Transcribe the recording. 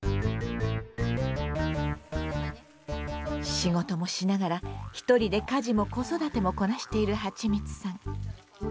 仕事もしながら一人で家事も子育てもこなしているはちみつさん。